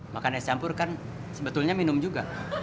makan es campur kan sebetulnya minum juga